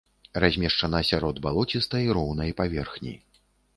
Размешчана сярод балоцістай роўнай паверхні.